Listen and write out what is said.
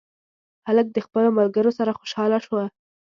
هلک د خپلو ملګرو سره خوشحاله و.